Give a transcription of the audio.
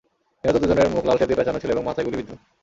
নিহত দুজনের মুখ লাল টেপ দিয়ে পেঁচানো ছিল এবং মাথায় গুলিবিদ্ধ।